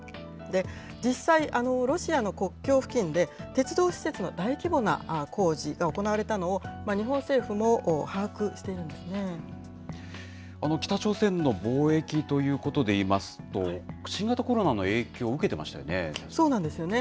実際、ロシアの国境付近で、鉄道施設の大規模な工事が行われたのを、日本政府も把握しているんで北朝鮮の貿易ということでいいますと、新型コロナの影響を受けてましたよね。